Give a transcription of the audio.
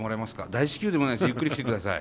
大至急でもないですゆっくり来てください。